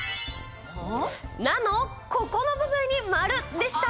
「ナ」のここの部分に丸でした。